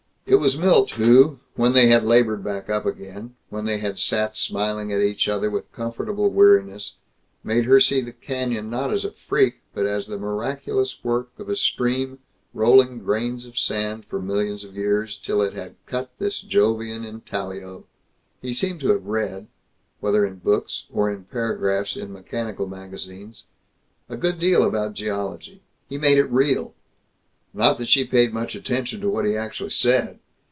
It was Milt who, when they had labored back up again, when they had sat smiling at each other with comfortable weariness, made her see the canyon not as a freak, but as the miraculous work of a stream rolling grains of sand for millions of years, till it had cut this Jovian intaglio. He seemed to have read whether in books, or in paragraphs in mechanical magazines a good deal about geology. He made it real. Not that she paid much attention to what he actually said!